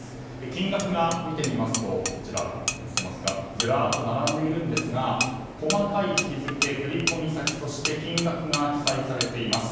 金額が、見てみますとずらっと並んでいますが細かい日付、振り込み先そして、金額が記載されています。